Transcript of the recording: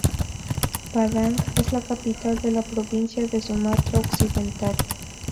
Padang es la capital de la provincia de Sumatra Occidental.